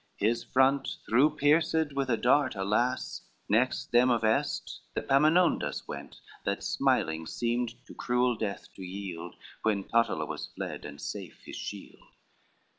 His front through pierced with a dart, alas, Next them, of Est the Epaminondas went, That smiling seemed to cruel death to yield, When Totila was fled, and safe his shield.